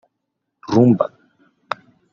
Rumba